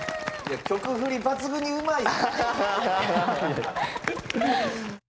曲フリ抜群にうまい！